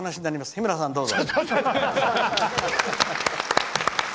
日村さん、どうぞ。